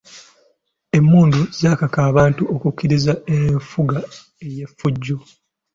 Emmundu zaakaka abantu okukkiriza enfuga ey’effujjo.